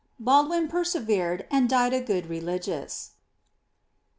" Baldwin persevered, and died a good religious.